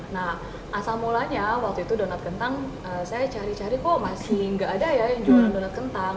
nah asal mulanya waktu itu donat kentang saya cari cari kok masih nggak ada ya yang jualan donat kentang